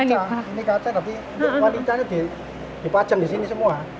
ini kaca nanti wanitanya dipajang di sini semua